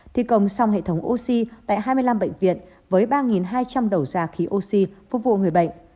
thi công xong hệ thống oxy tại hai mươi năm bệnh viện với ba hai trăm linh đầu ra khí oxy phục vụ người bệnh